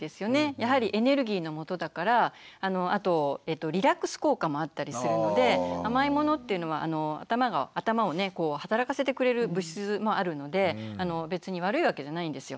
やはりエネルギーのもとだからあとリラックス効果もあったりするので甘いものっていうのは頭を働かせてくれる物質もあるので別に悪いわけじゃないんですよ。